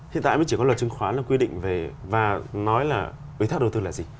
hiện tại mới chỉ có luật chứng khoán là quy định về và nói là ủy thác đầu tư là gì